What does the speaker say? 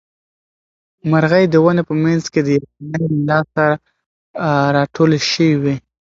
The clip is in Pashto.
مرغۍ د ونې په منځ کې د یخنۍ له لاسه راټولې شوې وې.